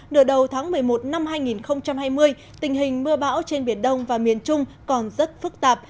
nửa đầu tháng một mươi một năm hai nghìn hai mươi tình hình mưa bão trên biển đông và miền trung còn rất phức tạp